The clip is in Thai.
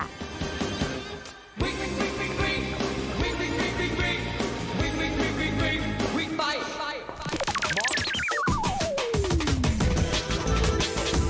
สวัสดีค่ะ